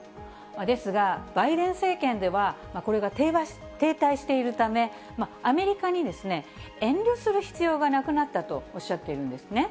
ですが、バイデン政権ではこれが停滞しているため、アメリカに遠慮する必要がなくなったとおっしゃっているんですね。